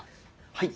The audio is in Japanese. はい。